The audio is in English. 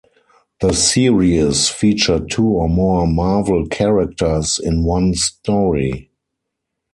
The series featured two or more Marvel characters in one story.